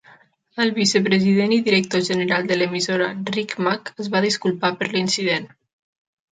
El vicepresident i director general de l'emissora Rick Mack es va disculpar per l'incident.